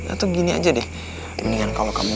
atau gini aja deh mendingan kalau kamu